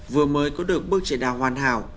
vừa mới có được bước trở đảo hoàn hảo